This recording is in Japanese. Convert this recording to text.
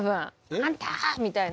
「あんた泥棒猫！」みたいな。